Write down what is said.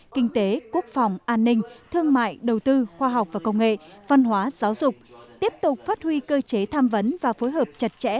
kinh tế quốc phòng an ninh thương mại đầu tư khoa học và công nghệ văn hóa giáo dục tiếp tục phát huy cơ chế tham vấn và phối hợp chặt chẽ